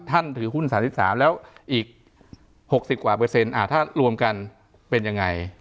ถือหุ้น๓๓แล้วอีก๖๐กว่าเปอร์เซ็นต์ถ้ารวมกันเป็นยังไง